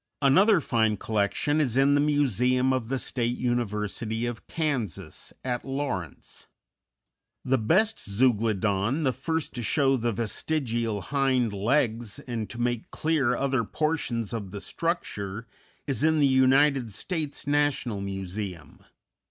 Another fine collection is in the Museum of the State University of Kansas, at Lawrence._ _The best Zeuglodon, the first to show the vestigial hind legs and to make clear other portions of the structure, is in the United States National Museum.